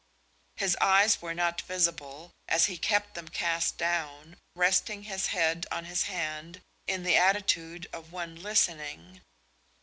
His eyes were not visible, as he kept them cast down, resting his head on his hand in the attitude of one listening.